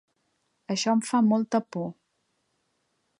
Això em fa molta por.